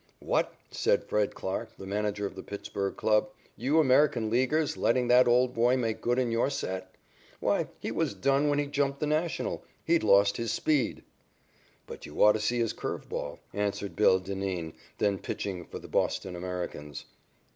"What," said Fred Clarke, the manager of the Pittsburg club, "you American Leaguers letting that old boy make good in your set? Why, he was done when he jumped the National. He'd lost his speed." "But you ought to see his curve ball," answered "Bill" Dineen, then pitching for the Boston Americans.